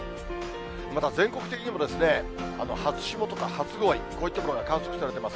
また全国的にも初霜とか初氷、こういう所で観測されています。